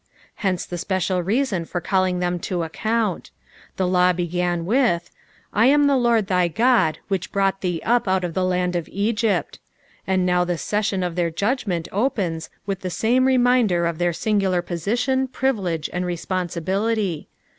Hence the special reason for calling them to account. The law began with, "lam the Lord thy God, which brought thee upoutof the land of Egypt," 433 EXF03ITI0NS OP THB P3AL1IS. _ and now the session of their judgment opens with the Bune reminder of tbdi aingnlair position, privilege, mud reafwnsibilitj.